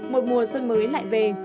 một mùa xuân mới lại về